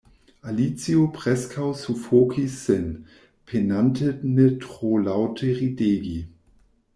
Alicio preskaŭ sufokis sin, penante ne tro laŭte ridegi.